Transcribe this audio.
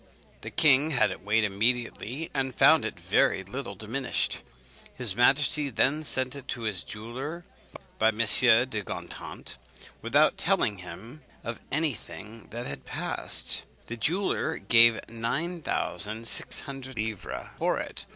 The king had it weighed immediately, and found it very little diminished. His majesty then sent it to his jeweller by M. de Gontant, without telling him of any thing that had passed. The jeweller gave nine thousand six hundred livres for it.